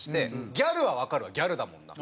「ギャルはわかるわギャルだもんな」。